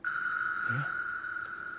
えっ？